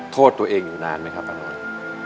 โทษตัวเองอยู่นานไหมครับป้าน้อย